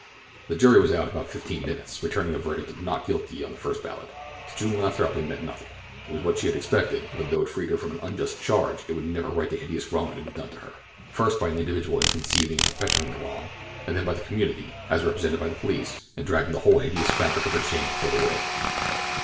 The jury was out but fifteen minutes, returning a verdict of not guilty on the first ballot. To June Lathrop it meant nothing. It was what she had expected; but though it freed her from an unjust charge, it could never right the hideous wrong that had been done her, first by an individual in conceiving and perpetrating the wrong, and then by the community, as represented by the police, in dragging the whole hideous fabric of her shame before the world.